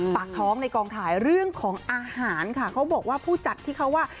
ปากท้องในกองถ่ายเรื่องของอาหารค่ะเขาบอกว่าผู้จัดที่เขาว่า